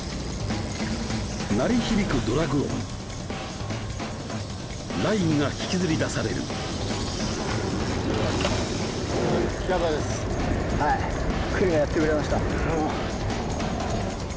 鳴り響くドラグ音ラインが引きずり出されるはいクリがやってくれました